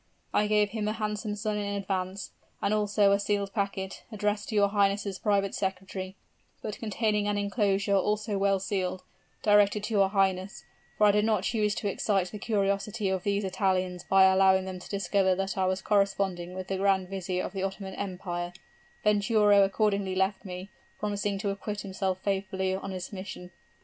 I gave him a handsome sum in advance, and also a sealed packet, addressed to your highness' private secretary, but containing an inclosure, also well sealed, directed to your highness, for I did not choose to excite the curiosity of these Italians by allowing them to discover that I was corresponding with the grand vizier of the Ottoman Empire, Venturo accordingly left me, promising to acquit himself faithfully of his mission."